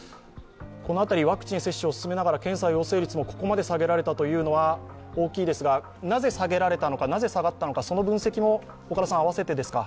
ワクチン接種を進めながら検査陽性率をここまで下げられたのは大きいですが、なぜ下げられたのかなぜ下がったのかその分析も併せてですか？